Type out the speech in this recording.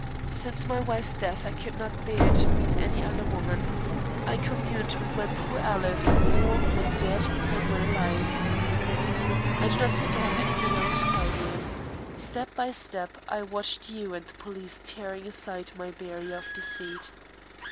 Since my wife's death I could not bear to meet any other woman. I communed with my poor Alice more when dead than when alive. I do not think I have anything else to tell you. Step by step I watched you and the police tearing aside my barrier of deceit.